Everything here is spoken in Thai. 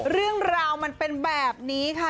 เรื่องราวมันเป็นแบบนี้ค่ะ